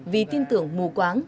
vì tin tưởng mù quáng